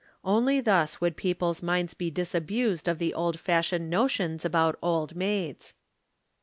Only thus would people's minds be disabused of the old fashioned notions about old maids.